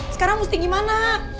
sekarang musti gimana